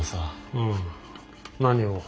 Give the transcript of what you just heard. うん何を？